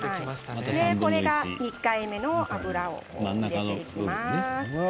これが２回目の油を入れていきます。